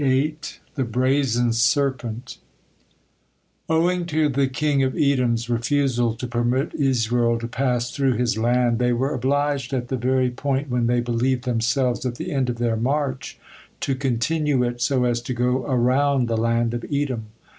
THE BRAZEN SERPENT Owing to the king of Edom's refusal to permit Israel to pass through his land, they were obliged, at the very point when they believed themselves at the end of their march, to continue it, so as to go around the land of Edom.